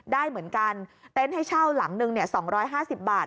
ได้เหมือนกันเต็นต์ให้เช่าหลังนึง๒๕๐บาท